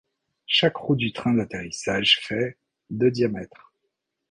Chaque roue du train d'atterrissage fait de diamètre.